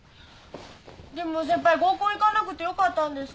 でも先輩合コン行かなくてよかったんですか？